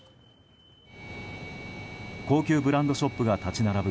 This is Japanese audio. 高級ブランドショップが立ち並ぶ